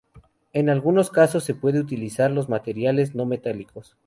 En algunos casos se puede utilizar en materiales no metálicos.